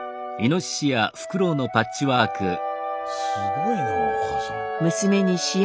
すごいなお母さん。